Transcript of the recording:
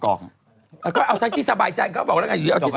ก็เอาซักทีสบายใจ